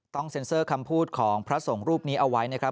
เซ็นเซอร์คำพูดของพระสงฆ์รูปนี้เอาไว้นะครับ